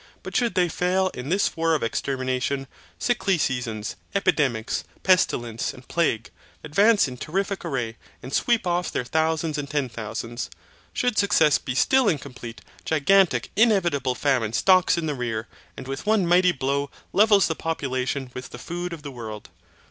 But should they fail in this war of extermination, sickly seasons, epidemics, pestilence, and plague, advance in terrific array, and sweep off their thousands and ten thousands. Should success be still incomplete, gigantic inevitable famine stalks in the rear, and with one mighty blow levels the population with the food of the world.